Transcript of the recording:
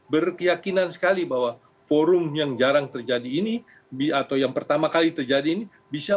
berkeyakinan sekali bahwa forum yang jarang terjadi ini atau yang pertama kali terjadi ini bisa